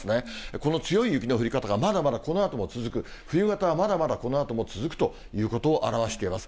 この強い雪の降り方がまだまだこのあとも続く、冬型はまだまだこのあとも続くということを表しています。